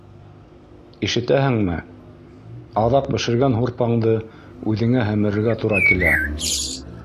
Ишетәһеңме? Аҙаҡ бешергән һурпаңды үҙеңә һемерергә тура килә